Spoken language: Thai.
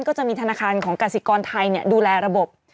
ก็จะมีธนาคารของกสิกรไทยดูแลระบบ